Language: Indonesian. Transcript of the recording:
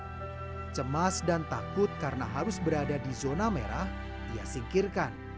terbaik kepada para pasien cemas dan takut karena harus berada di zona merah ia singkirkan